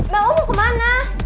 mel lo mau kemana